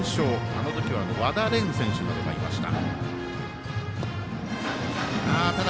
あの時は和田選手などがいました。